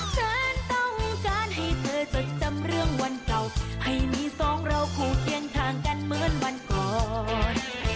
ฉันต้องการให้เธอจดจำเรื่องวันเก่าให้มีสองเราคู่เคียงทางกันเหมือนวันก่อน